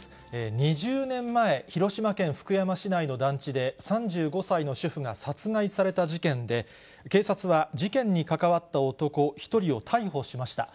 ２０年前、広島県福山市内の団地で、３５歳の主婦が殺害された事件で、警察は、事件に関わった男１人を逮捕しました。